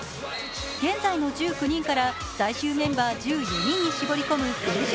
現在の１９人から最終メンバー１４人に絞り込む選手